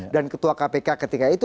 dan ketua kpk ketika itu